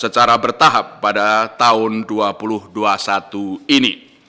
secara bertahap pada tahun dua ribu dua puluh satu ini